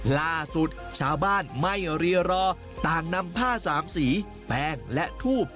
ล่าสุดชาวบ้านไม่รีรอต่างนำผ้าสามสีแป้งและทูบ